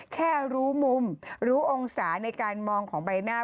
แค่รู้มุมรู้องศาในการมองของใบหน้า